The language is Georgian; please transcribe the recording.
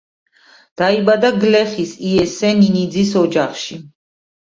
დაიბადა გლეხის, იესე ნინიძის ოჯახში.